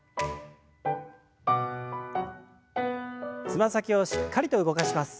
つま先をしっかりと動かします。